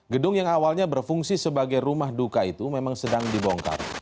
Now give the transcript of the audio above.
gedung yang awalnya berfungsi sebagai rumah duka itu memang sedang dibongkar